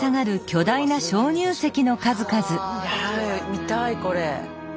見たいこれ。